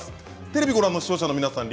テレビをご覧の視聴者の皆さん